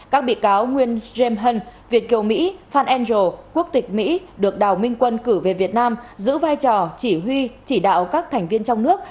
các bị cáo nguyên james hân việt kiều mỹ phan anzo quốc tịch mỹ được đào minh quân cử về việt nam giữ vai trò chỉ huy chỉ đạo các thành viên trong nước